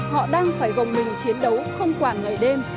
họ đang phải gồng mình chiến đấu không quản ngày đêm